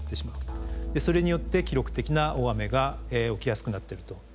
それによって記録的な大雨が起きやすくなってると。